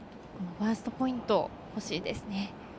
ファーストポイントが欲しいですね。